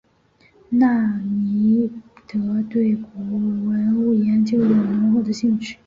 那波尼德对古代文物研究有浓厚兴趣。